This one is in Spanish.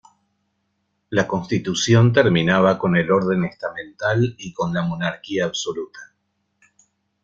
La Constitución terminaba con el orden estamental y con la Monarquía absoluta.